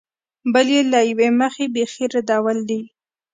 بل یې له یوې مخې بېخي ردول دي.